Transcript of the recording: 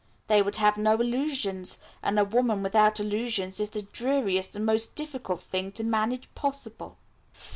They would have no illusions, and a woman without illusions is the dreariest and most difficult thing to manage possible."